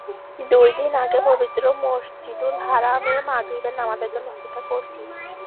দুই দিন আগে পবিত্র মসজিদুল হারামে মাগরিবের নামাজের জন্য অপেক্ষা করছি।